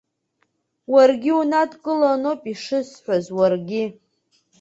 Уаргьы унаидкыланоуп ишысҳәаз, уаргьы!